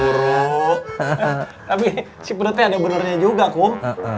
tapi si penutnya ada benurnya juga kum